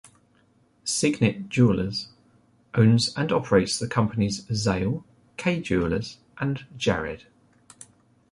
Signet Jewelers owns and operates the companies Zale, Kay Jewelers, and Jared.